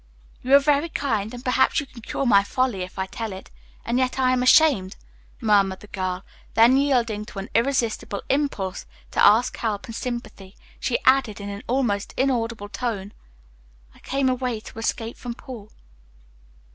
"You are very kind, and perhaps you can cure my folly if I tell it, and yet I am ashamed," murmured the girl. Then yielding to an irresistible impulse to ask help and sympathy, she added, in an almost inaudible tone, "I came away to escape from Paul."